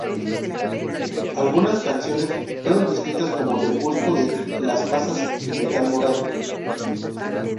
Algunas canciones fueron descritas como del gusto de las masas y metal moderno.